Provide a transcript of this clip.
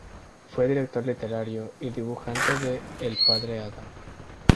Fue director literario y dibujante de "El Padre Adam".